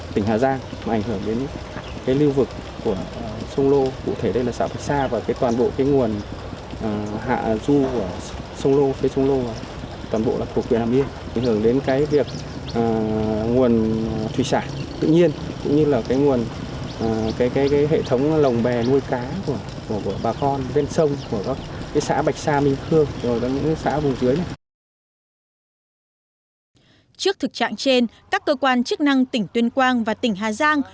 trước thực trạng trên các cơ quan chức năng tỉnh tuyên quang và tỉnh hà giang